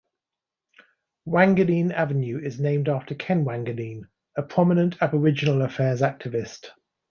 Wanganeen Avenue is named after Ken Wanganeen a prominent Aboriginal Affairs activist.